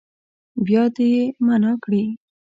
بیا دې يې معنا کړي.